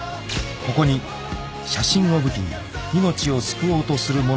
［ここに写真を武器に命を救おうとする者たちがいる］